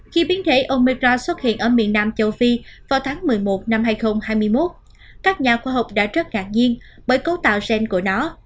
khi biến thể omira xuất hiện ở miền nam châu phi vào tháng một mươi một năm hai nghìn hai mươi một các nhà khoa học đã rất ngạc nhiên bởi cấu tạo gen của nó